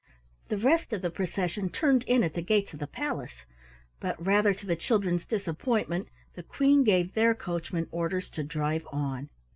The rest of the procession turned in at the gates of the palace, but rather to the children's disappointment, the Queen gave their coachman orders to drive on.